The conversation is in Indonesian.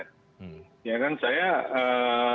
ya kan saya selama ini berpengalaman